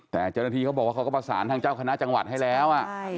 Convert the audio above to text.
แต่เจ้าหน้าที่เขาบอกว่าเขาก็ประสานทางเจ้าคณะจังหวัดให้แล้ว